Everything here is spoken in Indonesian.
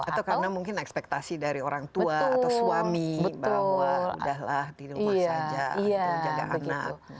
atau karena mungkin ekspektasi dari orang tua atau suami bahwa udahlah di rumah saja atau jaga anak